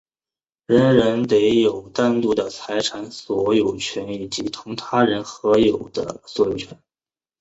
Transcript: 人人得有单独的财产所有权以及同他人合有的所有权。